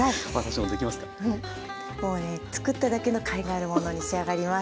もうね作っただけのかいがあるものに仕上がります。